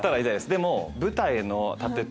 でも。